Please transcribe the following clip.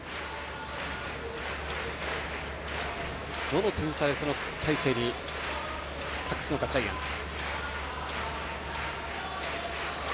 どの点差で大勢に託すかジャイアンツ。